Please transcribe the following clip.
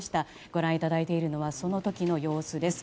ご覧いただいているのはその時の様子です。